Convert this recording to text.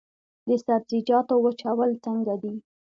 د سبزیجاتو وچول څنګه دي؟